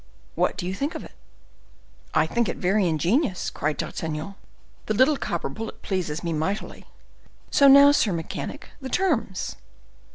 What do you think of it?" "I think it very ingenuous," cried D'Artagnan; "the little copper bullet pleases me mightily. So now, sir mechanic, the terms?"